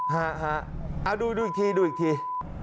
ฮ่าดูอีกที